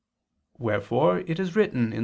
Wherefore it is written (Ps.